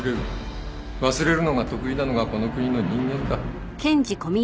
忘れるのが得意なのがこの国の人間だ。